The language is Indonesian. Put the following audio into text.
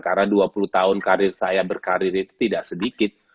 karena dua puluh tahun karir saya berkarir itu tidak sedikit